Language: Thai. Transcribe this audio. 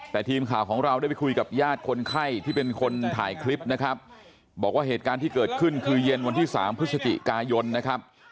แต่ทีมข่าวของเราได้ไปคุยกับญาติคนไข้ที่เป็นคนถ่ายคลิปนะครับบอกว่าเหตุการณ์ที่เกิดขึ้นคือเย็นวันที่๓พฤศจิกายนนะครับ